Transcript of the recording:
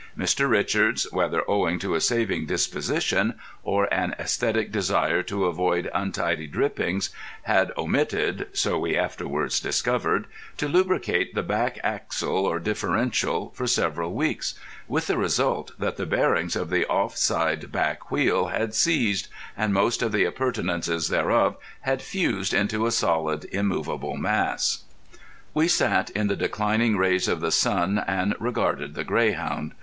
Mr. Richards, whether owing to a saving disposition or an æsthetic desire to avoid untidy drippings, had omitted—so we afterwards discovered—to lubricate the back axle or differential for several weeks, with the result that the bearings of the off side back wheel had "seized," and most of the appurtenances thereof had fused into a solid immovable mass. We sat in the declining rays of the sun and regarded The Greyhound.